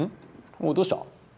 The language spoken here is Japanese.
おうどうした？